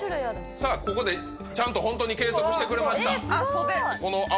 ここでちゃんとホントに計測してくれました。